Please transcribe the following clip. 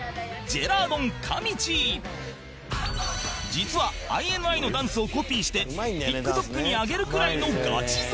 実は ＩＮＩ のダンスをコピーして ＴｉｋＴｏｋ に上げるくらいのガチ勢